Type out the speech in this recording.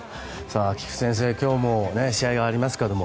菊地先生、今日も試合がありますけども。